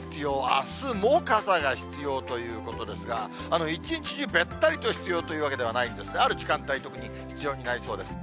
あすも傘が必要ということですが、一日中べったりと必要というわけではないんです、ある時間帯、特に必要になりそうです。